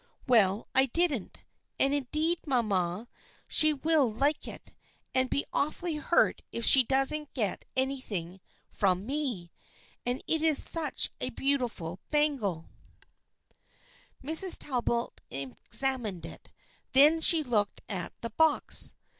" Well, I didn't, and indeed, mamma, she will like it, and be awfully hurt if she doesn't get anything from me. And it is such a beautiful bangle " 190 THE FRIENDSHIP OF ANNE Mrs. Talbot examined it. Then she looked at the box.